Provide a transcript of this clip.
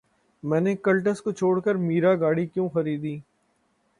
میں نے کلٹس کو چھوڑ کر میرا گاڑی کیوں خریدی